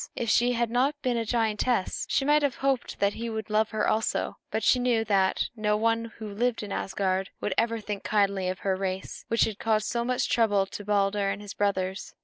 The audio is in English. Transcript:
If she had not been a giantess, she might have hoped that he would love her also; but she knew that no one who lived in Asgard would ever think kindly of her race, which had caused so much trouble to Balder and his brothers.